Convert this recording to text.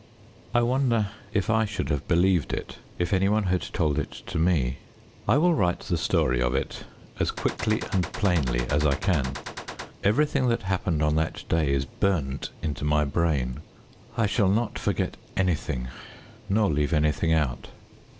I wonder if I should have believed it, if any one had told it to me. I will write the story of it as quickly and plainly as I can. Everything that happened on that day is burnt into my brain. I shall not forget anything, nor leave anything out.